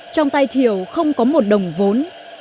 trong tay thiểu không có một đồng vốn